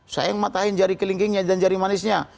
sayang matahin jari kelingkingnya dan jari manisnya